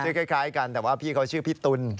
คล้ายกันแต่ว่าพี่เขาชื่อพี่ตุ๋น